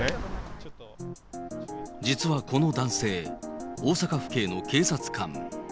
実はこの男性、大阪府警の警察官。